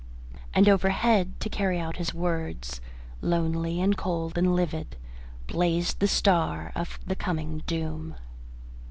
And overhead, to carry out his words, lonely and cold and livid blazed the star of the coming doom.